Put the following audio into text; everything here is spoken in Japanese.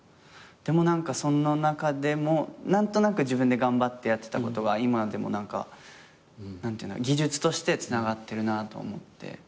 でもその中でも何となく自分で頑張ってやってたことが今でも技術としてつながってるなと思って。